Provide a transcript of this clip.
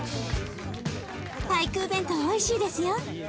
パイクー弁当おいしいですよ。